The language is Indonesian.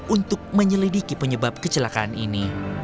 untuk menyelidiki penyebab kecelakaan ini